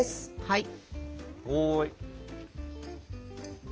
はい。